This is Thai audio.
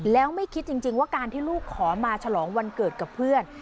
แล้วไม่คิดจริงว่าการที่ลูกขอมาฉลองวันเกิดกับเพื่อน